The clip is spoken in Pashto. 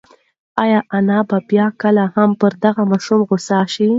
ایا انا به بیا کله هم پر دغه ماشوم غوسه شي؟